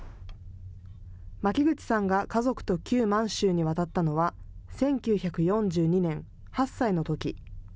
巻口さんが家族と旧満州に渡ったのは１９４２年、８歳のとき。